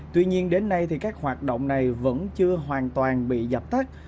tuy nhiên đến nay thì các hoạt động này vẫn chưa hoàn toàn bị dập tắt